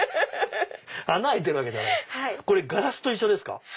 これガラスと一緒ですか？